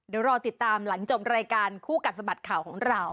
เดี๋ยวรอติดตามหลังจบรายการคู่กัดสะบัดข่าวของเรา